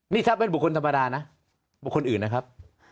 นี่ถ้าเป็นบุคคลธรรมดานะบุคคลอื่นนะครับ